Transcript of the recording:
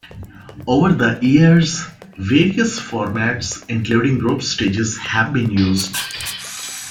Over the years, various formats, including group stages have been used.